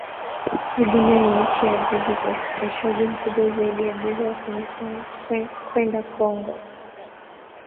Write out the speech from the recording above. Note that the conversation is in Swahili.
Uganda ni nchi ya pili kwa usafirishaji mkubwa zaidi wa bidhaa kwenda Kongo